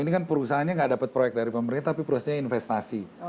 ini kan perusahaannya nggak dapat proyek dari pemerintah tapi perusahaannya investasi